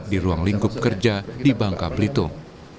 di ruang lingkup kerja di bangka belitung